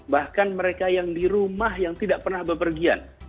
bahkan mereka yang di rumah yang tidak pernah berpergian